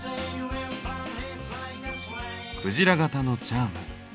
クジラ型のチャーム。